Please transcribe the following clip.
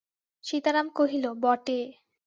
সীতারাম কহিল, বটে?